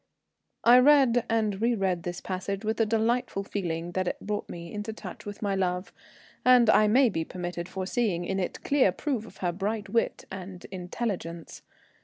I read and re read this passage with a delightful feeling that it brought me into touch with my love, and I may be permitted for seeing in it clear proof of her bright wit and intelligence.